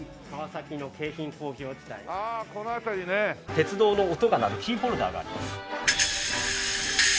鉄道の音が鳴るキーホルダーがあります。